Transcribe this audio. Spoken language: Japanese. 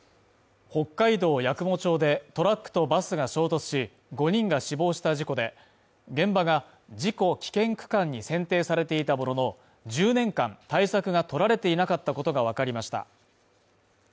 北海道八雲町でトラックとバスが衝突し、５人が死亡した事故で、現場が事故危険区間に選定されていたものの、１０年間、対策がとられていなかったことがわかりました。